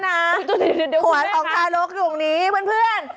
เดี๋ยวคุณแม่ค่ะคุณแม่ค่ะขวานของทารกอยู่ตรงนี้เพื่อน